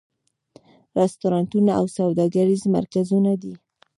رستورانتونه او سوداګریز مرکزونه دي.